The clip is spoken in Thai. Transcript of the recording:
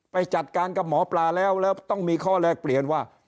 ไปจัดการกับหมอปลาแล้วแล้วต้องมีข้อแลกเปลี่ยนว่า